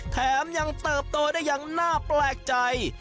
แถมยังเติบโตได้อย่างน่าแปลกใจ